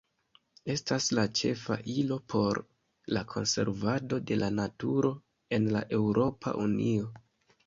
Estas la ĉefa ilo por la konservado de la naturo en la Eŭropa Unio.